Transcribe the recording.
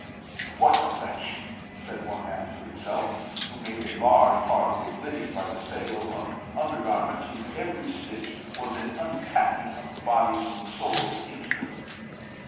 "What a wretch!" said one man to himself, who made a large part of his living by the sale of under garments whose every stitch was an untacking of the body from the soul of a seamstress.